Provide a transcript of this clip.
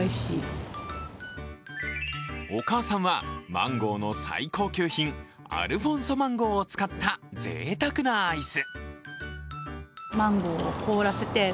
お母さんはマンゴーの最高級品アルフォンソマンゴーを使ったぜいたくなアイス。